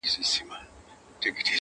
بس که! آسمانه نور یې مه زنګوه!!